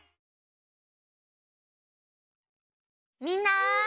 みんな！